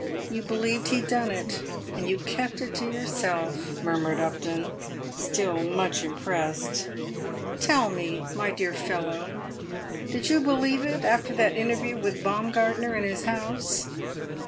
"You believed he'd done it, and you kept it to yourself," murmured Mr. Upton, still much impressed. "Tell me, my dear fellow—did you believe it after that interview with Baumgartner in his house?"